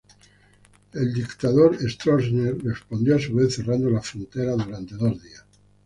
Stroessner respondió a su vez cerrando las fronteras durante dos días.